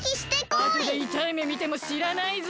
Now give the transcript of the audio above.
あとでいたいめみてもしらないぞ。